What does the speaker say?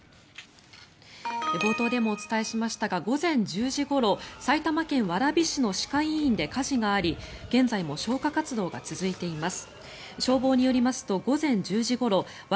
冒頭でもお伝えしましたが午前１０時ごろ埼玉県蕨市の歯科医院で火事があり現在も消火活動が続いています。